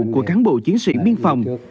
của cán bộ chiến sĩ biên phòng